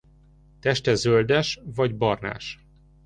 Teste zöldes vagy barnás.